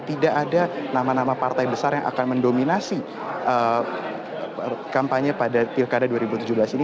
tidak ada nama nama partai besar yang akan mendominasi kampanye pada pilkada dua ribu tujuh belas ini